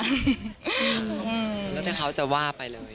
แล้วแต่เขาจะว่าไปเลย